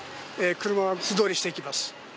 車は素通りしていきます。